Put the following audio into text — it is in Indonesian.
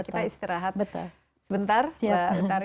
kita istirahat sebentar